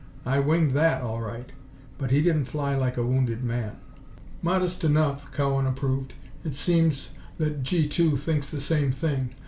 I winged that, all right, but he didn't fly like a wounded man." "Modest enough," Cowan approved. "It seems that G 2 thinks the same thing.